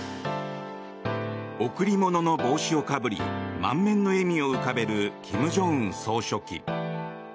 贈り物の帽子をかぶり満面の笑みを浮かべる金正恩総書記。